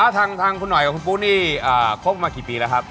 ทางคุณหน่อยกับคุณปุ๊นี่คบมากี่ปีแล้วครับ